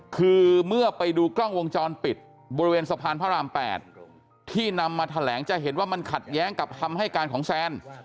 คือเมื่อไปดูกล้องวงจรปิดบริเวณสะพานพระราม๘ที่นำมาแถลงจะเห็นว่ามันขัดแย้งกับคำให้การของแซน